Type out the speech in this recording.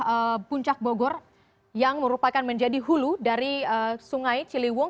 dari puncak bogor yang merupakan menjadi hulu dari sungai ciliwung